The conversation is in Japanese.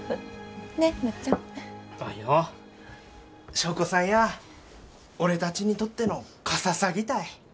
祥子さんや俺たちにとってのカササギたい。